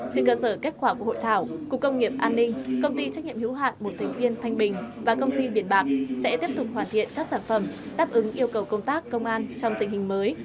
trên cơ sở kết quả của hội thảo cục công nghiệp an ninh công ty trách nhiệm hữu hạn một thành viên thanh bình và công ty biển bạc sẽ tiếp tục hoàn thiện các sản phẩm đáp ứng yêu cầu công tác công an trong tình hình mới